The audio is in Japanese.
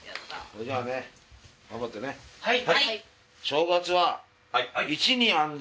はい。